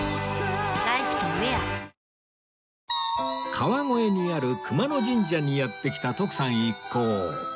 川越にある熊野神社にやって来た徳さん一行